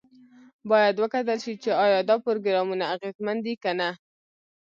باید وکتل شي چې ایا دا پروګرامونه اغیزمن دي که نه.